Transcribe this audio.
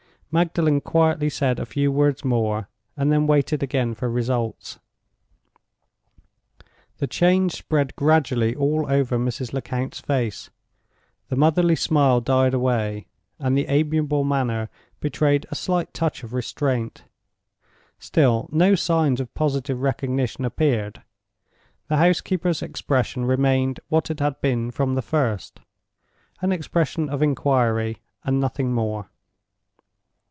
Magdalen quietly said a few words more, and then waited again for results. The change spread gradually all over Mrs. Lecount's face, the motherly smile died away, and the amiable manner betrayed a slight touch of restraint. Still no signs of positive recognition appeared; the housekeeper's expression remained what it had been from the first—an expression of inquiry, and nothing more.